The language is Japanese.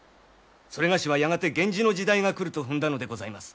それがしはやがて源氏の時代が来ると踏んだのでございます。